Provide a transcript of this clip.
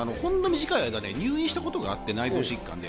短い間、入院したことがあって内臓疾患で、